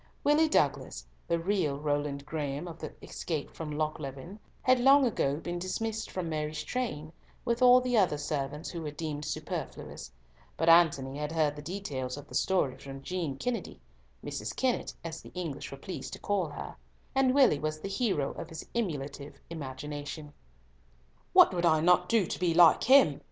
Willie Douglas (the real Roland Graeme of the escape from Lochleven) had long ago been dismissed from Mary's train, with all the other servants who were deemed superfluous; but Antony had heard the details of the story from Jean Kennedy (Mrs. Kennett, as the English were pleased to call her), and Willie was the hero of his emulative imagination. "What would I not do to be like him!"